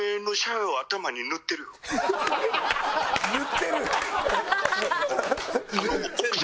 「塗ってる」？